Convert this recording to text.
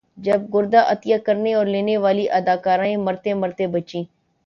جب گردہ عطیہ کرنے اور لینے والی اداکارائیں مرتے مرتے بچیں